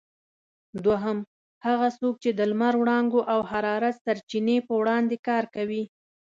دوهم: هغه څوک چې د لمر وړانګو او حرارت سرچینې په وړاندې کار کوي؟